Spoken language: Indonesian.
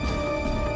nih ini udah gampang